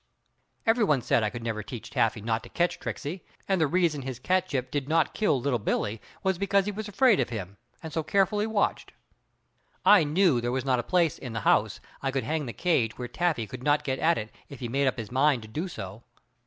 Everyone said I could never teach Taffy not to catch Tricksey, and the reason his catship did not kill Little Billie was because he was afraid of him, and so carefully watched. I knew there was not a place in the house I could hang the cage where Taffy could not get at it if he made up his mind to do so.